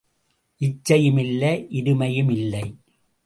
இச்சையும் இல்லை இருமையும் இல்லை.